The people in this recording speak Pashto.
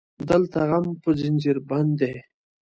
دلته غم په زنځير بند دی